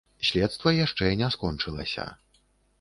Следства яшчэ не скончылася.